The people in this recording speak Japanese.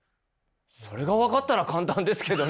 それが分かったら簡単ですけどね。